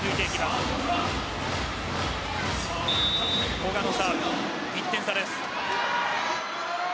古賀のサーブ、１点差です。